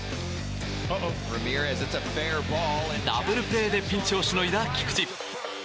ダブルプレーでピンチをしのいだ菊池。